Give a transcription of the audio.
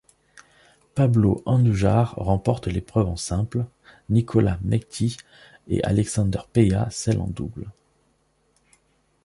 Pablo Andújar remporte l'épreuve en simple, Nikola Mektić et Alexander Peya celle en double.